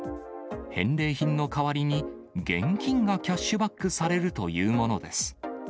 返礼品の代わりに、現金がキャッシュバックされるというものです。